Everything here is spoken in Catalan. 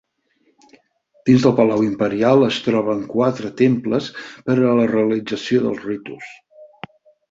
Dins del Palau Imperial es troben quatre temples per a la realització dels ritus.